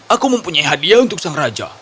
aku mempunyai hadiah untuk sang raja